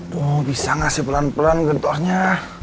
tuh bisa gak sih pelan pelan gentornya